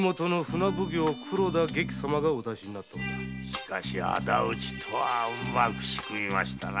しかし仇討ちとはうまく仕組みましたな。